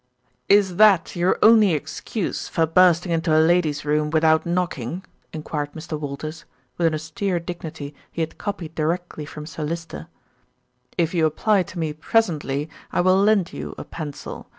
"Is that your only excuse for bursting into a lady's room without knocking?" enquired Mr. Walters, with an austere dignity he had copied directly from Sir Lyster. "If you apply to me presently I will lend you a pencil.